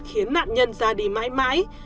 khiến nạn nhân ra đi mãi mãi